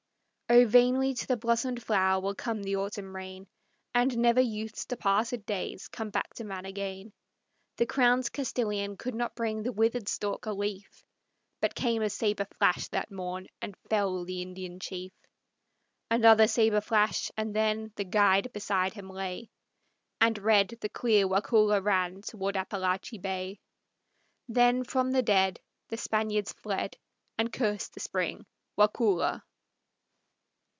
O vainly to the blossomed flower will come the autumn rain, And never youth's departed days come back to man again; The crowns Castilian could not bring the withered stalk a leaf, But came a sabre flash that morn, and fell the Indian chief. Another sabre flash, and then The guide beside him lay, And red the clear Waukulla ran toward Appalachee Bay. Then from the dead The Spaniards fled, And cursed the spring, Waukulla.